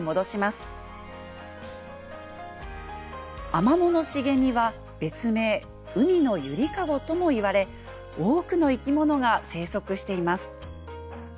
アマモの茂みは別名「海のゆりかご」ともいわれ多くの生き物が生息しています。